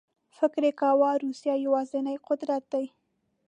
فکر یې کاوه روسیه یوازینی قدرت دی.